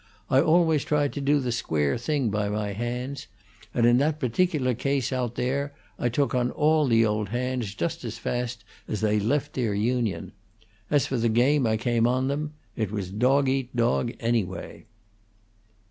I always tried to do the square thing by my hands; and in that particular case out there I took on all the old hands just as fast as they left their Union. As for the game I came on them, it was dog eat dog, anyway."